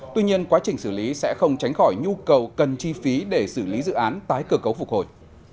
tuy nhiên quá trình xử lý sẽ không tránh khỏi nhu cầu cần chi phí để xử lý dự án tái cơ cấu phục hồi